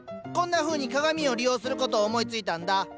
こんなふうに鏡を利用することを思いついたんだ。